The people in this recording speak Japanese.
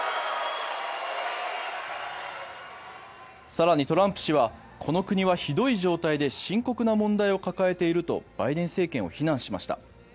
更にトランプ氏はこの国はひどい状態で深刻な問題を抱えているとバイデン政権を非難しました。